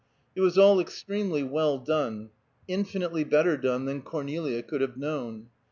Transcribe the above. It was all extremely well done, infinitely better done than Cornelia could have known.